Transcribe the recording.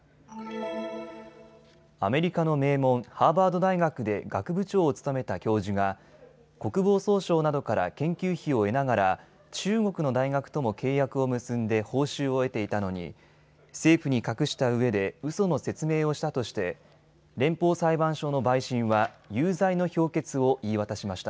アメリカの名門、ハーバード大学で学部長を務めた教授が国防総省などから研究費を得ながら中国の大学とも契約を結んで報酬を得ていたのに政府に隠したうえでうその説明をしたとして連邦裁判所の陪審は有罪の評決を言い渡しました。